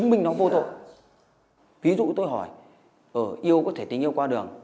em nghĩ là chị điên chứ